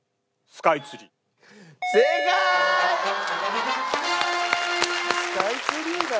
スカイツリーだ。